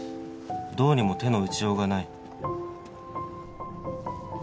「どうにも手の打ちようがない」